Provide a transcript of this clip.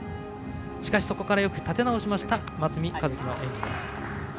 そこからよく立て直しました松見一希の演技でした。